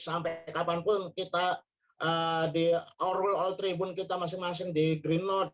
sampai kapanpun kita di ourwal old tribun kita masing masing di green note